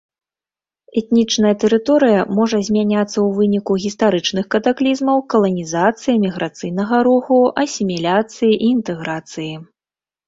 Этнічная тэрыторыя можа змяняцца ў выніку гістарычных катаклізмаў, каланізацыі, міграцыйнага руху, асіміляцыі і інтэграцыі.